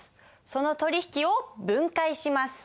その取引を分解します。